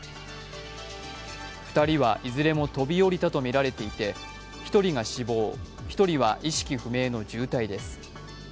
２人はいずれも飛び降りたとみられていて１人が死亡、１人は意識不明の重体です。